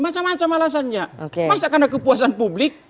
macam macam alasannya masa karena kepuasan publik